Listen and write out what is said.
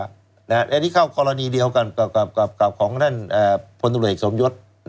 อันนี้เข้ากรณีเดียวกับของท่านพลธุรกิจสมยศ